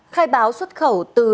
khai báo xuất khẩu từ